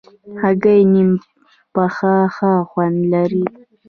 هګۍ نیم پخه ښه خوند لري.